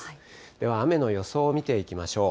では雨の予想を見ていきましょう。